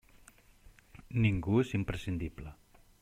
Ningú és imprescindible.